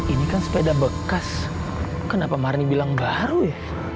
ini kan sepeda bekas kenapa marni bilang baru ya